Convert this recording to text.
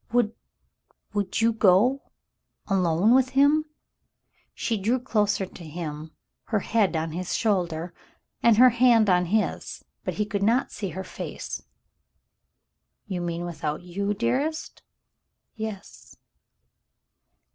Would — would you go — alone with him ?" She drew closer to him, her head on his shoulder and her hand in his, but he could not see her face. "You mean without you, dearest ?" "Yes."